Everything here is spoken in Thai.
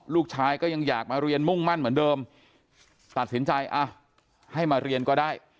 ลูกชายก็ยังอยากมาเรียนมุ่งมั่นเหมือนเดิมตัดสินใจอ่ะให้มาเรียนก็ได้